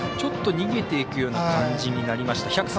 逃げていくような感じになりました。